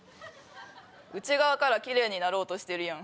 内側からキレイになろうとしてるやん。